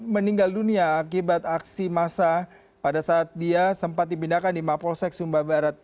meninggal dunia akibat aksi massa pada saat dia sempat dipindahkan di mapolsek sumba barat